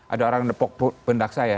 ada orang nepuk pendak saya